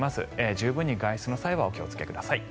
十分に外出の際はお気をつけください。